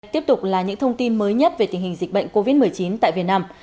tiếp tục là những thông tin mới nhất về tình hình dịch bệnh covid một mươi chín tại việt nam